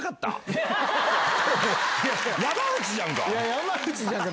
山内じゃんか！